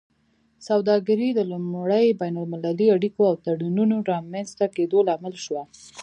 سوداګري د لومړي بین المللي اړیکو او تړونونو رامینځته کیدو لامل شوه